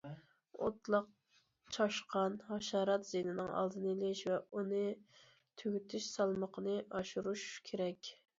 ئوتلاق چاشقان، ھاشارات زىيىنىنىڭ ئالدىنى ئېلىش ۋە ئۇنى تۈگىتىش سالمىقىنى ئاشۇرۇش كېرەك.